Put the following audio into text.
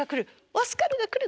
オスカルが来る。